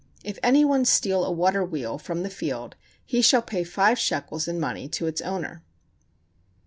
If any one steal a water wheel from the field, he shall pay five shekels in money to its owner.